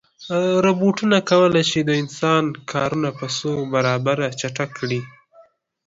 روبوټونه کولی شي د انسان کارونه په څو برابره چټک کړي.